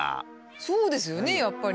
そうですよねやっぱり。